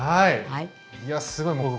いやすごい！